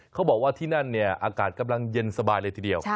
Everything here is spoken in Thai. เขาบอกว่าที่นั่นเนี่ยอากาศกำลังเย็นสบายเลยทีเดียว